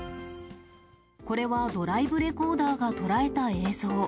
これはドライブレコーダーが捉えた映像。